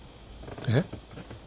えっ？